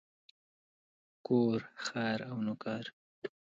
کور، خر او نوکر.